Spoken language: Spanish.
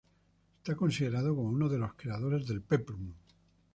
Está considerado como uno de los creadores del peplum.